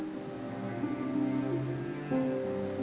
วิ่งไปที่งานศพนึงที่เขาเอาน้องไว้ที่วัด